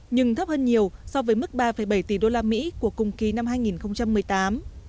nhưng thấp hơn nhiều so với mức ba bảy tỷ usd của cùng kỳ năm hai nghìn một mươi tám